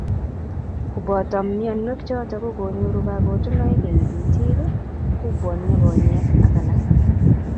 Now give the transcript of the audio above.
kuboto mionwek choto ko konyoru kakutunoik eng' itik, kubwonio konyek ak alak